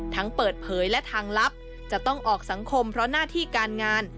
เปิดเผยและทางลับจะต้องออกสังคมเพราะหน้าที่การงาน